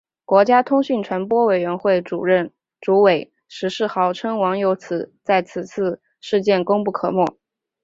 国家通讯传播委员会主委石世豪称网友在此事件功不可没。